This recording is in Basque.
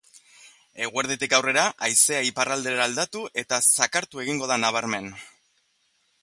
Eguerditik aurrera haizea iparraldera aldatu eta zakartu egingo da nabarmen.